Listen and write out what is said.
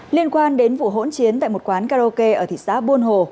liên quan đến vụ hỗn chiến tại một quán karaoke ở thị xã buôn hồ